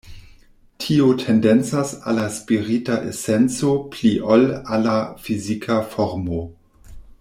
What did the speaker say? Tio tendencas al la spirita esenco pli ol al la fizika formo.